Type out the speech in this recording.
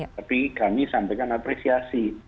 tapi kami sampaikan apresiasi